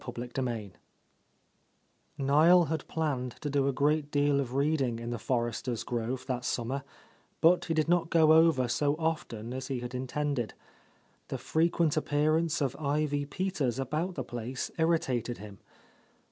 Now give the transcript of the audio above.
Ill N IEL had planned to do a great deal of reading in the Forresters' grove that summer, but he did not go over so often as he had intended. The frequent appearance of Ivy Peters about the place irritated him.